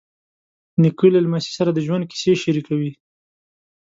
نیکه له لمسي سره د ژوند کیسې شریکوي.